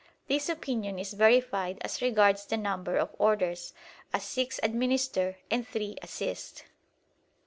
This opinion is verified as regards the number of orders, as six administer and three assist.